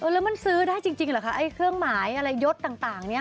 แล้วมันซื้อได้จริงเหรอคะไอ้เครื่องหมายอะไรยดต่างเนี่ย